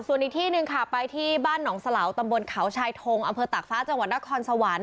ส่วนอีกที่หนึ่งค่ะไปที่บ้านหนองสลาวตำบลเขาชายทงอำเภอตากฟ้าจังหวัดนครสวรรค์